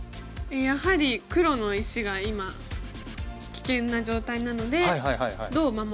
やはり黒の石が今危険な状態なのでどう守るかといった。